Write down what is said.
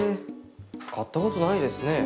使ったことないですね。